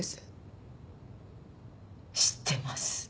知ってます。